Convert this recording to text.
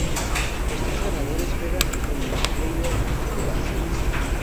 Los tres ganadores juegan el Play Off de ascenso.